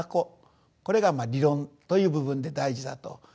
これが理論という部分で大事だと。